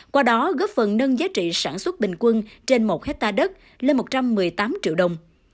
qua đó góp phần nâng giá trị sản xuất bình quân trên một hectare đất lên một trăm một mươi tám triệu đồng